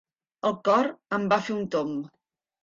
El cor em va fer un tomb.